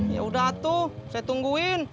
yaudah tuh saya tungguin